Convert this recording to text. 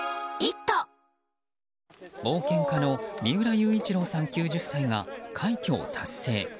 冒険家の三浦雄一郎さん、９０歳が快挙を達成。